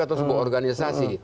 atau sebuah organisasi